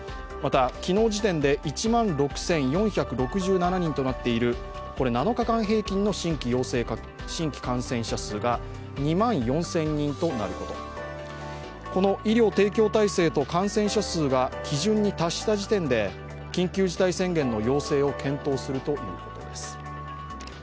昨日時点で１万６４４７人となっている７日間平均の新規感染者数が２万４０００人となること、この医療提供体制と感染者数が基準に達した時点で緊急事態宣言の要請を検討するということです。